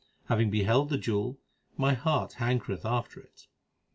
Having beheld the jewel, my heart hankereth after it.